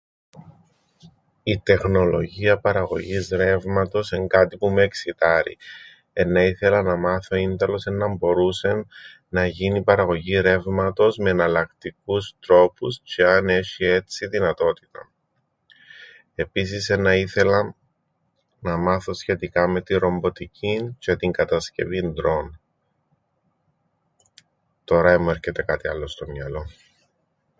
Η τεχνολογία παραγωγής ρεύματος εν' κάτι που με εξιτάρει. Εννά ήθελα να μάθω ίνταλος εννά μπορούσεν να γίνει παραγωγή ρεύματος με εναλλακτικούς τρόπους τζ̆αι αν έσ̆ει έτσι δυνατότηταν. Επίσης εννά ήθελα να μάθω σχετικά με την ρομποτικήν τζ̆αι την κατασκευήν ντρόουν. Τωρά εν μου έρκεται κάτι άλλον στο μυαλόν.